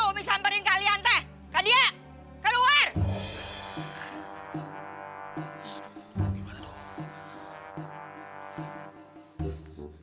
umi samperin kalian teh